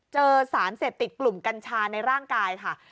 เจอสารเสพติดกลุ่มกัญชาในร่างกายค่ะ